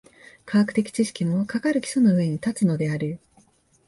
科学的知識も、かかる基礎の上に立つのである。